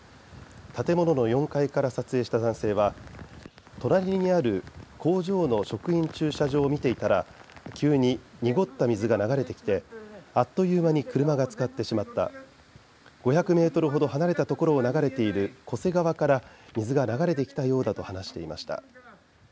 建物の４階から撮影した男性は隣にある工場の職員駐車場を見ていたら急に濁った水が流れてきてあっという間に車がつかってしまった５００ｍほど離れたところを流れている巨瀬川から水が流れてきたようだと話していました。